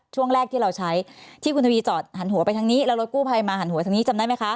ช่วงแรกที่เราใช้ที่คุณทวีจอดหันหัวไปทางนี้แล้วรถกู้ภัยมาหันหัวทางนี้จำได้ไหมคะ